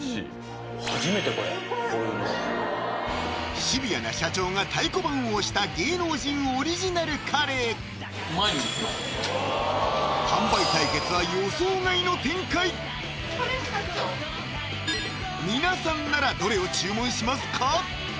こういうのシビアな社長が太鼓判を押した芸能人オリジナルカレー販売対決は皆さんならどれを注文しますか？